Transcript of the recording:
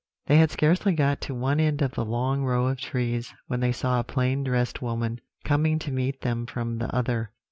They had scarcely got to one end of the long row of trees when they saw a plain dressed woman coming to meet them from the other.